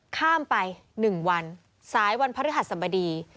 ข้ามไปหนึ่งวันสายวันพระฤหัสสัมบดี